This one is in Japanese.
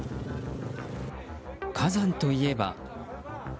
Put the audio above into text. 火山といえば。